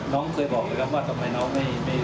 น้องเคยบอกเลยครับว่าทำไมน้องไม่